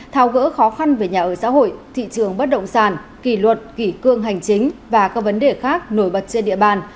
thao gỡ khó khăn về nhà ở xã hội thị trường bất động sản kỳ luật kỳ cương hành chính và các vấn đề khác nổi bật trên địa bàn